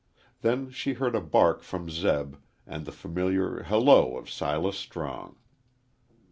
Then she heard a bark from Zeb and the familiar halloo of Silas Strong.